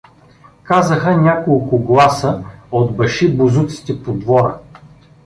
Казаха няколко гласа от башибозуците по двора.